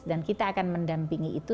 dan kita akan mendampingi itu